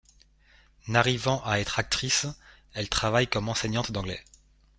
N'arrivant à être actrice, elle travaille comme enseignante d'anglais.